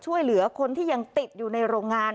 ช่วยเหลือคนที่ยังติดอยู่ในโรงงาน